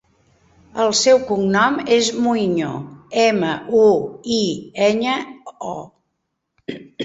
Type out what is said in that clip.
El seu cognom és Muiño: ema, u, i, enya, o.